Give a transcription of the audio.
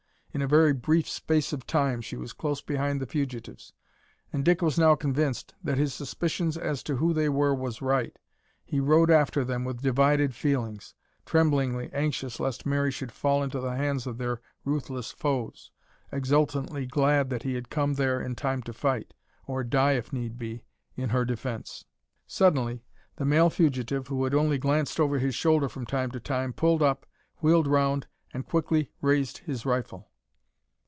In a very brief space of time she was close behind the fugitives, and Dick was now convinced that his suspicions as to who they were was right. He rode after them with divided feelings tremblingly anxious lest Mary should fall into the hands of their ruthless foes exultantly glad that he had come there in time to fight, or die if need be, in her defence. Suddenly the male fugitive, who had only glanced over his shoulder from time to time, pulled up, wheeled round, and quickly raised his rifle.